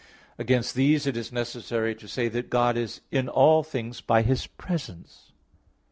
Against these it is necessary to say that God is in all things by His presence.